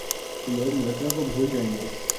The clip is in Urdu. تو لوگ میٹرو کو بھول جائیں گے۔